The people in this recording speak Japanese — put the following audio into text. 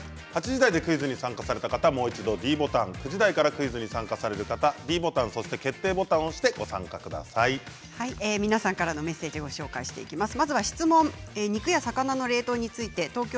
８時台でクイズに参加した方はもう一度ｄボタン９時台からご覧になった方はｄボタンそして決定ボタンを皆さんからのメッセージをご紹介します。